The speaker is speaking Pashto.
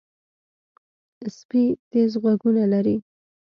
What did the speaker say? سپي تیز غوږونه لري.